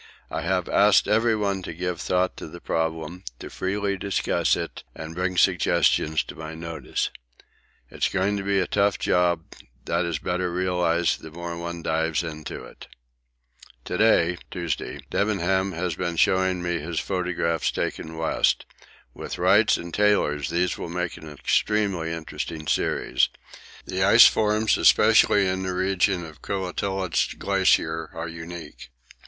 I have asked everyone to give thought to the problem, to freely discuss it, and bring suggestions to my notice. It's going to be a tough job; that is better realised the more one dives into it. To day (Tuesday) Debenham has been showing me his photographs taken west. With Wright's and Taylor's these will make an extremely interesting series the ice forms especially in the region of the Koettlitz glacier are unique.